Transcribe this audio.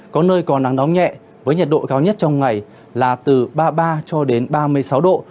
có nơi có nắng nóng nhẹ với nhiệt độ cao nhất trong ngày là từ ba mươi ba cho đến ba mươi sáu độ